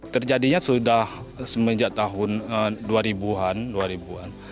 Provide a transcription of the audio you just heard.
terjadinya sudah semenjak tahun dua ribu an